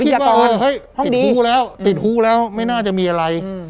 พี่ทะกอร์ครับเฮ้ยติดฟูแล้วติดฟูแล้วไม่น่าจะมีอะไร